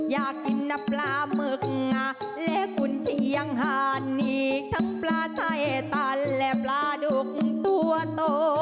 อยากกินน้ำปลาหมึกงาและกุญเชียงหานนี้ทั้งปลาไส้ตันและปลาดุกตัวโต